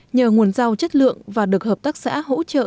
nhờ nguồn rau chất lượng và được hợp tác xã hỗ trợ